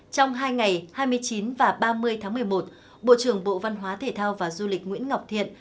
trong hai ngày hai mươi chín và ba mươi tháng một mươi một bộ trưởng bộ văn hóa thể thao và du lịch nguyễn ngọc thiện